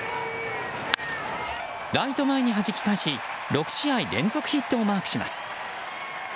ライト前にはじき返し６試合連続ヒットをマークします。